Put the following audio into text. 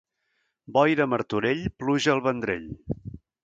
Boira a Martorell, pluja al Vendrell.